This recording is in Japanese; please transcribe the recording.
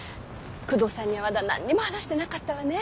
久遠さんにはまだ何にも話してなかったわね。